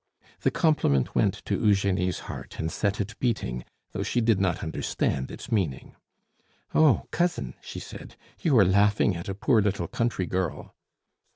The compliment went to Eugenie's heart and set it beating, though she did not understand its meaning. "Oh! cousin," she said, "you are laughing at a poor little country girl."